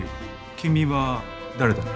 君は誰だね？